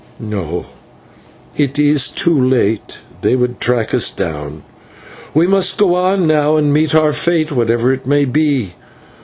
"No, it is too late they would track us down; we must go on now and meet our fate, whatever it may be.